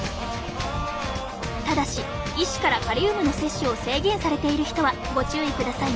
ただし医師からカリウムの摂取を制限されている人はご注意くださいね。